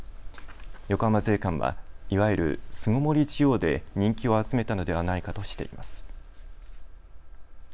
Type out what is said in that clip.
横浜税関は、いわゆる巣ごもり需要で人気を集めたのではないかとしています。